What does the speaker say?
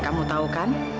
kamu tau kan